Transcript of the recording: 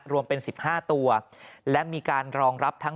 รวมเป็น๑๕ตัวและมีการรองรับทั้ง